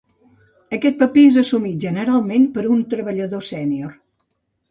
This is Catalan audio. Aquest paper és assumit generalment per un treballador sènior.